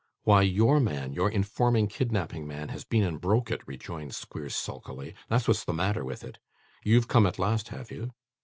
'Why, your man, your informing kidnapping man, has been and broke it,' rejoined Squeers sulkily; 'that's what's the matter with it. You've come at last, have you?